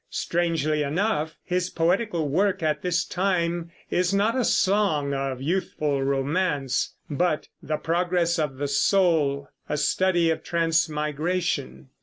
Strangely enough his poetical work at this time is not a song of youthful romance, but "The Progress of the Soul," a study of transmigration.